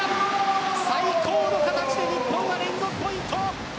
最高の形で日本が連続ポイント。